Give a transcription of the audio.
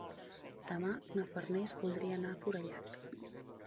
Demà na Farners voldria anar a Forallac.